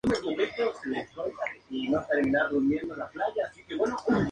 Fue nombrado Taiwan en homenaje a la Isla de Taiwán.